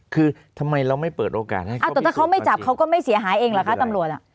คือทำไมเราไม่เปิดโอกาสให้เขาแต่ถ้าเขาไม่จับเขาก็ไม่เสียหายเองเหรอคะตำรวจอ่ะ